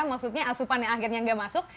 maksudnya asupan yang akhirnya gak masuk